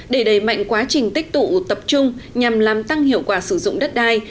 để đẩy mạnh quá trình tích tụ tập trung nhằm làm tăng hiệu quả sử dụng đất đai